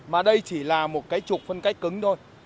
mà đây chỉ là một cái trục phân cách cứng thôi